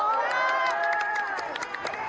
ลองไปดูเหตุการณ์ความชื่อระมวลที่เกิดอะไร